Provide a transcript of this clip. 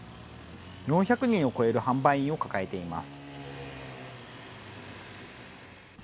４００人を超える販売員を抱えています。